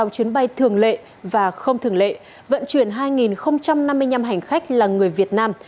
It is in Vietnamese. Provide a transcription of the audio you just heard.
hai mươi chuyến bay thường lệ và không thường lệ vận chuyển hai năm mươi năm hành khách là người việt nam